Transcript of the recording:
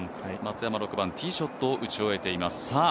松山６番、ティーショットを打ち終えています。